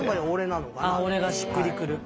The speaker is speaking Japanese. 「おれ」がしっくりくる。